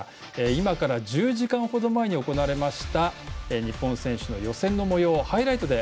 今から１０時間程前に行われました日本選手の予選の様子をハイライトで